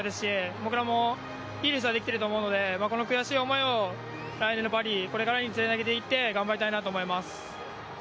僕らも、いいレースはできていると思うのでこの悔しい思いを来年のパリこれからにつなげていって頑張りたいと思います。